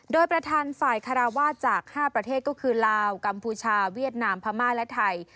โดยประธานฝ่ายคาราวาสจาก๕ประเทศก็คือลาวกัมพูชาเวียดนามพม่าและไทย